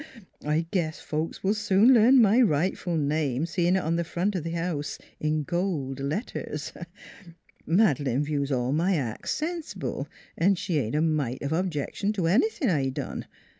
I guess folks will soon learn my rightful name seeing it on the front of the house in gold letters. Made 372 NEIGHBORS leine views all my acts sensible & she ain't a mite of objection to anything I done.